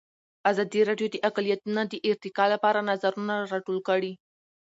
ازادي راډیو د اقلیتونه د ارتقا لپاره نظرونه راټول کړي.